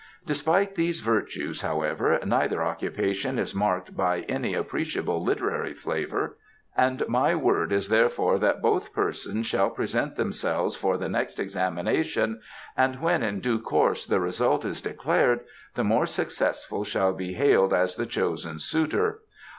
Despite these virtues, however, neither occupation is marked by any appreciable literary flavour, and my word is, therefore, that both persons shall present themselves for the next examination, and when in due course the result is declared the more successful shall be hailed as the chosen suitor.